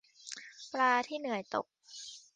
ปลาที่เหนื่อยตก